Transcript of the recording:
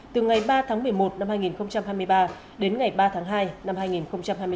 từ ngày ba tháng một mươi một năm hai nghìn hai mươi ba đến ngày ba tháng hai năm hai nghìn hai mươi bốn